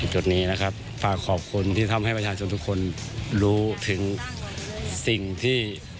จุดนี้นะครับฝากขอบคุณที่ทำให้ประชาชนทุกคนรู้ถึงสิ่งที่